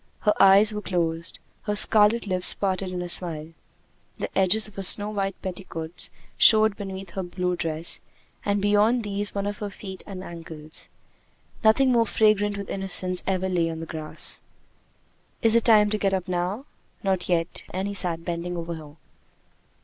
Her eyes were closed, her scarlet lips parted in a smile. The edges of her snow white petticoats showed beneath her blue dress, and beyond these one of her feet and ankles. Nothing more fragrant with innocence ever lay on the grass. "Is it time to get up now?" "Not yet," and he sat bending over her.